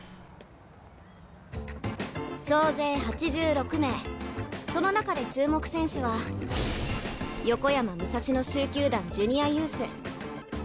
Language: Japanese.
総勢８６名その中で注目選手は横山武蔵野蹴球団ジュニアユース橘総一朗。